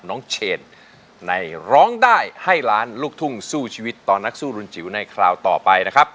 น้องเชนในร้องได้ให้ล้านลูกทุ่งสู้ชีวิตต่อนักสู้รุนจิ๋วในคราวต่อไปนะครับ